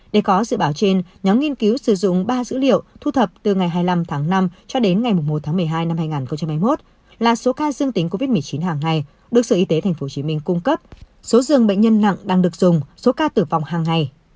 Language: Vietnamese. để có dự báo trên nhóm nghiên cứu sử dụng ba dữ liệu thu thập từ ngày hai mươi năm tháng năm cho đến ngày một tháng một mươi hai năm hai nghìn hai mươi một là số ca dương tính covid một mươi chín hàng ngày được sở y tế tp hcm cung cấp số dường bệnh nhân nặng đang được dùng số ca tử vong hàng ngày